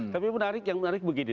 tapi menarik yang menarik begini